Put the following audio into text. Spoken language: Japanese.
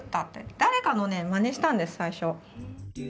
誰かのねまねしたんです最初。